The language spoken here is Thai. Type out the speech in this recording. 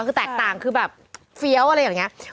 คือแตกต่างคือแบบเฟี้ยวอะไรอย่างนี้